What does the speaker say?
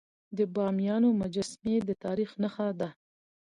د بامیانو مجسمي د تاریخ نښه ده.